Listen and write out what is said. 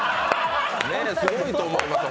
すごいと思いますよ